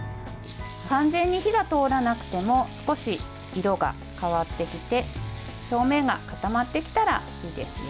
完全に火が通らなくても少し色が変わってきて表面が固まってきたらいいですよ。